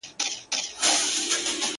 o بې مېوې ونه څوک په ډبرو نه ولي.